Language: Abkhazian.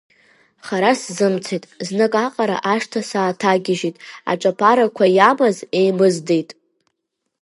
Хара сзымцеит, знык аҟара ашҭа сааҭагьежьит, аҿаԥарақәа иамаз еимыздеит.